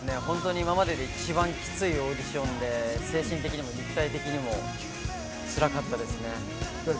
今までで一番きついオーディションで、精神的にも肉体的にもつらかったです。